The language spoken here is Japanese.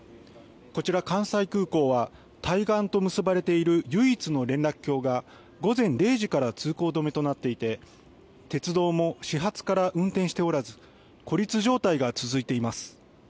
こちら、関西空港は対岸と結ばれている唯一の連絡橋が午前０時から通行止めとなっていて鉄道も始発から運転しておらず孤立状態が続いています。